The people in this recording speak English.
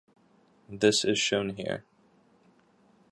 This is shown here.